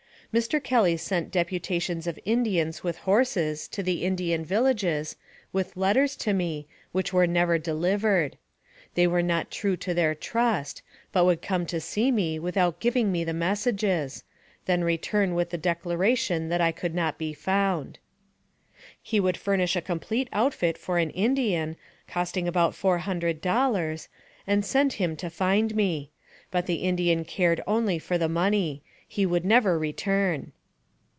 Mr. Kelly sent deputations of Indians with horses, to the Indian villages, with letters to me, which were never delivered. They were not true to their trust, but would come to see me without giving me the mes sages, then return with the declaration that I could not be found. He would furnish a complete outfit for an Indian, costing about four hundred dollars, and send him to find me ; but the Indian cared only for the money ; he would never return.